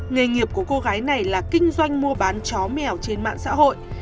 nghề nghiệp của cô gái này là kinh doanh mua bán chó mèo trên mạng xã hội